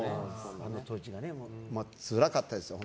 つらかったですよ。